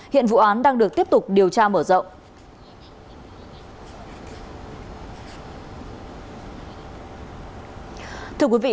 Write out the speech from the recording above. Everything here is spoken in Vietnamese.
hiện vụ án đang được tiếp tục điều tra mở rộng